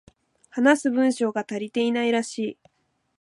話す文章が足りていないらしい